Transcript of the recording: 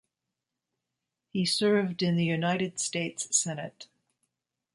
He served in the United States Senate.